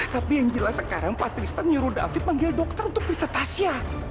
tapi yang jelas sekarang patristan nyuruh david manggil dokter untuk periksa tasya